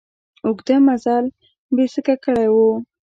اوږده مزل بېسېکه کړی و.